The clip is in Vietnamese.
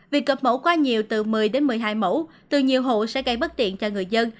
việc cập mẫu qua nhiều từ một mươi đến một mươi hai mẫu từ nhiều hộ sẽ gây bất tiện cho người dân